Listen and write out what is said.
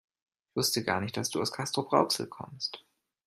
Ich wusste gar nicht, dass du aus Castrop-Rauxel kommst